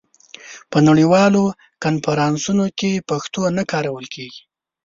په نړیوالو کنفرانسونو کې پښتو نه کارول کېږي.